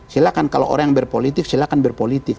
silahkan kalau orang yang berpolitik silakan berpolitik